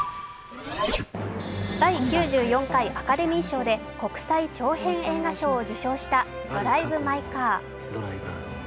第９４回アカデミー賞で国際長編映画賞を受賞した「ドライブ・マイ・カー」